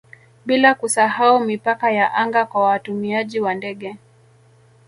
bila kusahau mipaka ya anga kwa watumiaji wa ndege